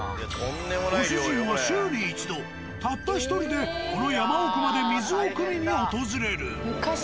ご主人は週に一度たった１人でこの山奥まで水を汲みに訪れる。